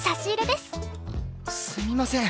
すみません。